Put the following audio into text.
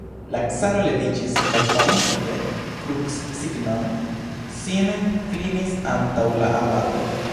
La caro leviĝis kaj, farinte krucsignon, sin klinis antaŭ la abato.